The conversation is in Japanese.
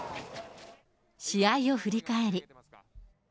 試合を振り返り。